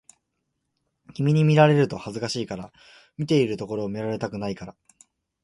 君に見られると恥ずかしいから、見ているところを見られたくないから